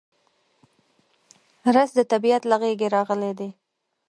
رس د طبیعت له غېږې راغلی دی